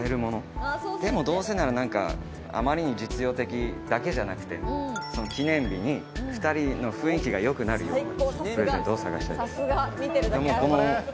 あまりに実用的だけじゃなく、記念日に２人の雰囲気が良くなるようなプレゼントを探したいです。